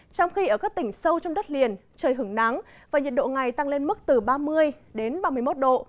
trong khi ở các tỉnh sâu trong đất liền trời hứng nắng và nhiệt độ ngày tăng lên mức từ ba mươi đến ba mươi một độ